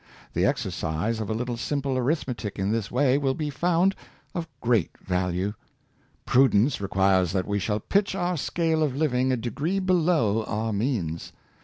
The exercise of a little simple arithmetic in this way will be found of great value. Prudence requires that we shall pitch our scale of living a degree below our means.